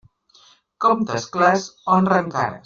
Comptes clars, honren cares.